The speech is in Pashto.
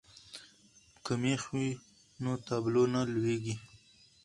که مېخ وي نو تابلو نه لویږي.